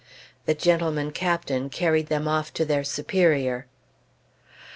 The gentleman captain carried them off to their superior.